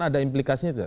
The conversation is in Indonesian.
ada implikasinya tidak